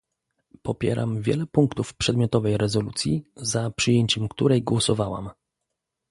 Popieram wiele punktów przedmiotowej rezolucji, za przyjęciem której głosowałam